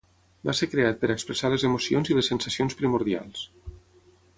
Va ser creat per expressar les emocions i les sensacions primordials.